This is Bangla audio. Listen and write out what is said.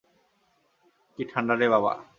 কি ঠাণ্ডা রে বাবা।